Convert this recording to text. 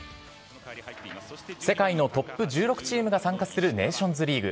世界のトップ１６チームが参加するネーションズリーグ。